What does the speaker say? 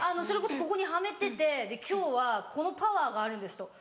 それこそここにはめてて「今日はこのパワーがあるんです。